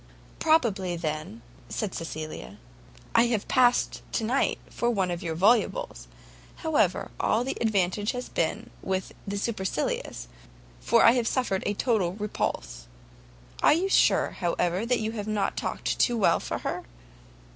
"Probably, then," said Cecilia, "I have passed tonight, for one of the VOLUBLES; however, all the advantage has been with the SUPERCILIOUS, for I have suffered a total repulse." "Are you sure, however, you have not talked too well for her?"